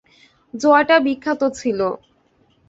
জয়টা বিখ্যাত ছিল।